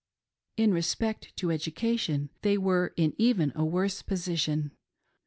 In respect to education they were in even a worse position.